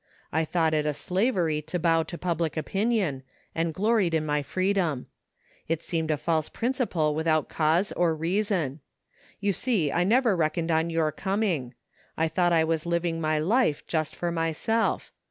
I thought it a slavery to bow to public opinion, and gloried in my freedom. It seemed a false principle without cause or reason. You see I never reckoned on yoiu* coming. I thought I was living my life just for myself.